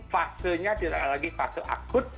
fasenya tidak lagi fase akut